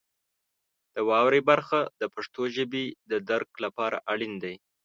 د واورئ برخه د پښتو ژبې د درک لپاره اړین دی.